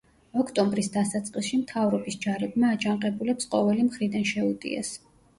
ოქტომბრის დასაწყისში მთავრობის ჯარებმა აჯანყებულებს ყოველი მხრიდან შეუტიეს.